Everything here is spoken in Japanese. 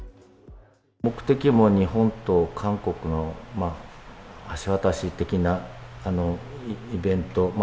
目的も日本と韓国の橋渡し的なイベント。